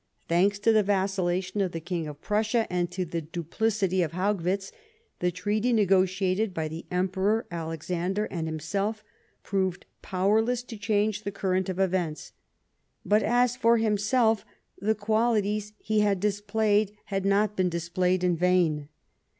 Thanks to the vacillation of the King of Prussia, and to the duphcity of Haugwitz, the treaty negotiated by the Emperor Alexander and himself proved powerless to change the current of events. But, for himself, the qualities he had displayed had not been displayed in vain.